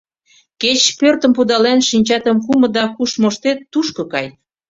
Кеч пӧртым пудален, шинчатым кумо да куш моштет, тушко кай.